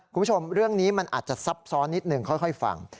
คุณผู้ชมเรื่องนี้มันอาจจะซับซ้อนนิดหนึ่งค่อยฟัง